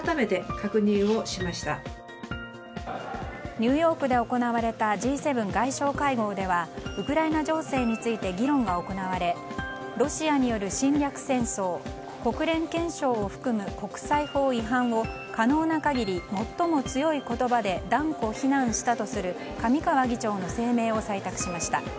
ニューヨークで行われたＧ７外相会合ではウクライナ情勢について議論が行われロシアによる侵略戦争国連憲章を含む国際法違反を可能な限り最も強い言葉で断固非難したとする上川議長の声明を採択しました。